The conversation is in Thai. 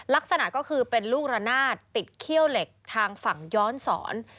ลักษณะก็คือเป็นลูกระนาดติดเขี้ยวเหล็กทางฝั่งย้อนสอน